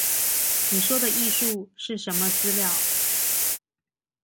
你說的藝術是什麼資料？